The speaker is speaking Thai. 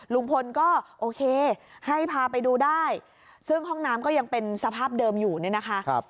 ลุงพลก็โอเคให้พาไปดูได้ซึ่งห้องน้ำก็ยังเป็นสภาพเดิมอยู่เนี่ยนะคะ